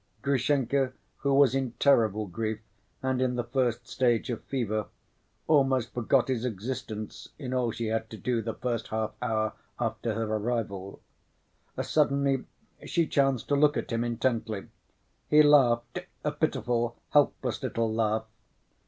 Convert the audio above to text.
Grushenka, who was in terrible grief and in the first stage of fever, almost forgot his existence in all she had to do the first half‐ hour after her arrival. Suddenly she chanced to look at him intently: he laughed a pitiful, helpless little laugh.